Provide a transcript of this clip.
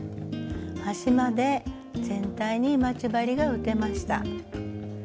端まで全体に待ち針が打てました。